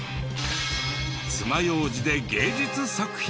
つまようじで芸術作品か？